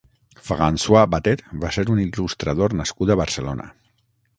François Batet va ser un il·lustrador nascut a Barcelona.